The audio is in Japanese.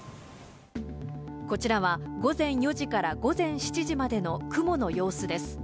こちらは午前４時から午前７時までの雲の様子です。